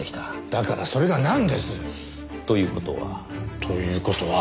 だからそれがなんです？という事は。という事は？